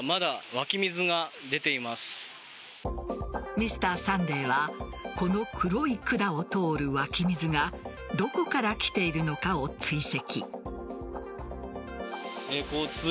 「Ｍｒ．サンデー」はこの黒い管を通る湧き水がどこから来ているのかを追跡。